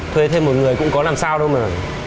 thuê thêm một người cũng có làm sao đâu mà